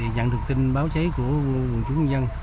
nhận được tin báo cháy của quân chú quân dân